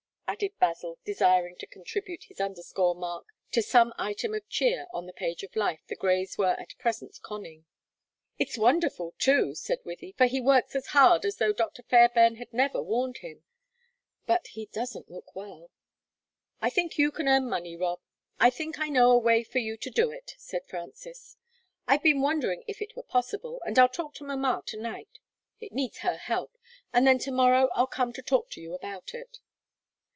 added Basil, desiring to contribute his underscore mark to some item of cheer on the page of life the Greys were at present conning. "It's wonderful, too," said Wythie, "for he works as hard as though Dr. Fairbairn had never warned him but he doesn't look well." "I think you can earn money, Rob; I think I know a way for you to do it," said Frances. "I've been wondering if it were possible, and I'll talk to mamma to night it needs her help and then to morrow I'll come to talk to you about it."